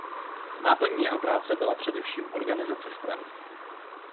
Náplní jeho práce byla především organizace strany.